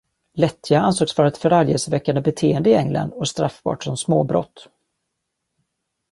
Lättja ansågs vara ett förargelseväckande beteende i England och straffbart som småbrott.